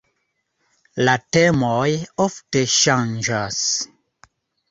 La temoj ofte ŝanĝas.